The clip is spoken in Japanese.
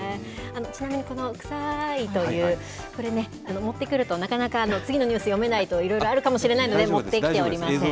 ちなみに、このくさーいという、これね、持ってくると、なかなか次のニュース読めないと、いろいろあるかもしれないので、持ってきておりません。